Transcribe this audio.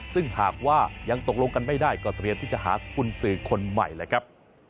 ซึ่งหากว่ายังตกลงกันไม่ได้ก็เตรียมที่จะหากุญสือคนใหม่แหละครับ